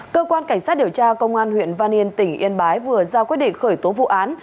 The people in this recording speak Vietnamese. cơ quan cảnh sát điều tra công an huyện văn yên tỉnh yên bái vừa ra quyết định khởi tố vụ án